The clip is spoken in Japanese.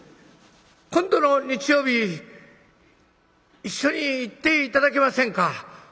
今度の日曜日一緒に行って頂けませんか？